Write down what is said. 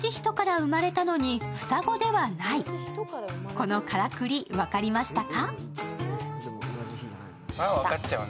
このからくり、分かりましたか？